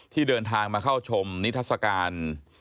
ที่เดินทางมาเข้าชมนิทัศกาล